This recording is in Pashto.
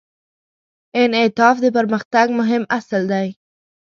انعطاف د پرمختګ مهم اصل دی.